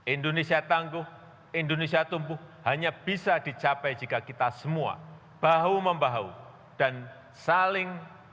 indonesia tangguh indonesia tumbuh hanya bisa dicapai jika kita semua bahu membahu dan saling